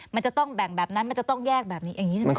มันจะต้องแบ่งแบบนั้นมันจะต้องแยกแบบนี้อย่างนี้ใช่ไหมค